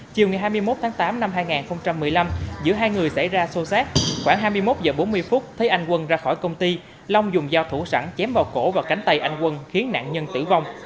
chiều ngày hai mươi một tháng tám năm hai nghìn một mươi năm giữa hai người xảy ra xô xát khoảng hai mươi một h bốn mươi phút thấy anh quân ra khỏi công ty long dùng dao thủ sẵn chém vào cổ và cánh tay anh quân khiến nạn nhân tử vong